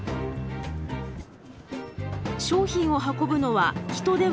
商品を運ぶのは人ではなくロボット。